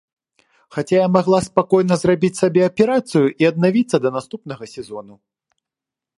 Хаця я магла спакойна сабе зрабіць аперацыю і аднавіцца да наступнага сезону.